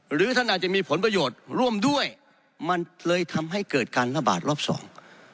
หรือท่านอาจจะมีผลประโยชน์ร่วมด้วยมันเลยทำให้เกิดการระบาดรอบสอง